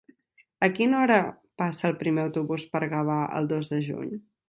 A quina hora passa el primer autobús per Gavà el dos de juny?